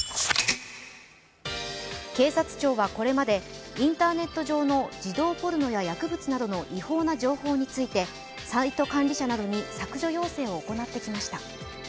警察庁はこれまでインターネット上の児童ポルノや薬物などの違法な情報についてサイト管理者などに削除要請を行ってきました。